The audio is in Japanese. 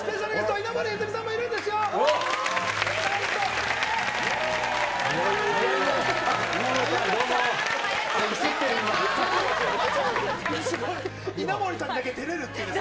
稲森さんだけてれるっていう。